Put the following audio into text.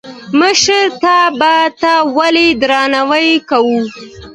مشرتابه ته ولې درناوی کوو؟